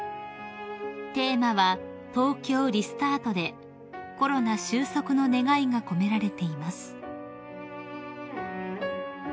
［テーマは「トウキョウリスタート」でコロナ終息の願いが込められています］